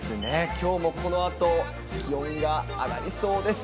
きょうもこのあと、気温が上がりそうです。